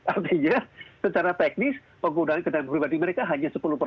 artinya secara teknis penggunaan kendaraan pribadi mereka hanya sepuluh persen